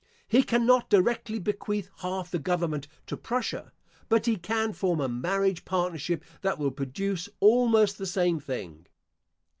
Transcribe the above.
He cannot directly bequeath half the government to Prussia, but he can form a marriage partnership that will produce almost the same thing.